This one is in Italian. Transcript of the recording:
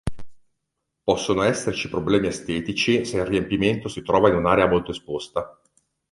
Possono esserci problemi estetici se il riempimento si trova in un'area molto esposta.